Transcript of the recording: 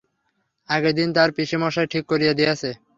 আগেব দিন তাহার পিসেমশায় ঠিক করিয়া দিয়াছে।